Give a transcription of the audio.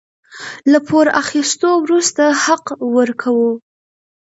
له پور اخيستو وروسته حق ورکوو.